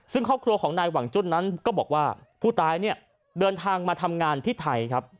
ซึ่งครอบครัวของนายหวังจุ้นนั้นก็บอกว่าผู้ตายเนี่ยเดินทางมาทำงานที่ไทยครับ